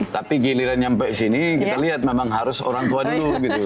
tapi giliran sampai sini kita lihat memang harus orang tua dulu gitu